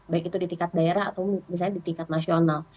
baik itu di tingkat daerah atau misalnya di tingkat nasional